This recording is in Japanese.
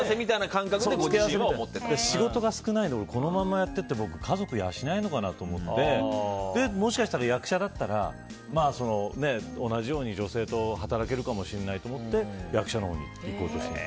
仕事が少ないのでこのままやっていって家族養えるかなと思ってもしかしたら役者だったら同じように女性と働けるかもしれないと思って役者のほうにいこうと。